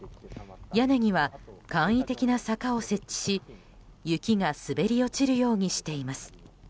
屋根には簡易的な坂を設置し雪が滑り落ちるようにしています。